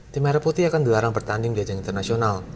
tim merah putih akan dilarang bertanding di ajang internasional